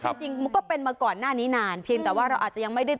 จริงจริงมันก็เป็นมาก่อนหน้านี้นานเพียงแต่ว่าเราอาจจะยังไม่ได้